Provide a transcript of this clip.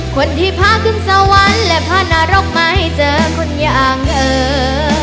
คนที่พาขึ้นสวรรค์และพานรกมาให้เจอคนอย่างเออ